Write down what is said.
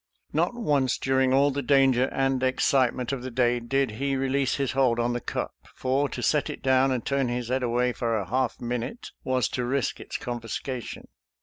Not once during all the danger and excitement of the day did he release his hold on the cup, for to set it down and turn his head away for a half minute was to risk its confiscation.